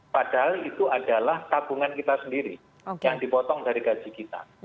padahal itu adalah tabungan kita sendiri yang dipotong dari gaji kita